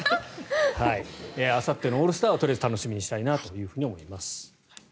あさってのオールスターをとりあえず楽しみにしたいなと思います。